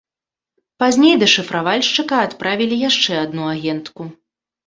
Пазней да шыфравальшчыка адправілі яшчэ адну агентку.